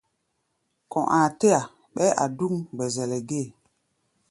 Kɔ̧ aa tɛ́-a ɓɛɛ́ a̧ dúk mgbɛzɛlɛ gée.